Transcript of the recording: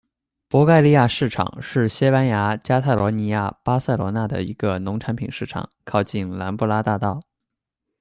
博盖利亚市场是西班牙加泰罗尼亚巴塞罗那的一个农产品市场，靠近兰布拉大道。